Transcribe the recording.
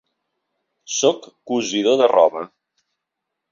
Soc cosidor de roba.